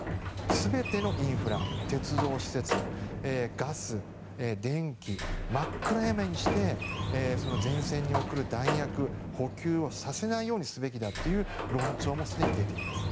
全てのインフラ、鉄道施設ガス、電気真っ暗闇にして前線に送る弾薬、補給をさせないようにすべきだという論調もすでに出ています。